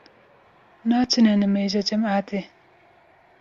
Naçine nimêja cemaetê